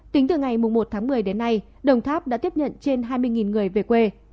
tính từ ngày một tháng một mươi đến nay đồng tháp đã tiếp nhận trên hai mươi người về quê